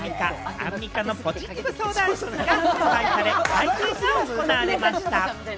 アンミカのポジティブ相談室』が発売され、会見が行われました。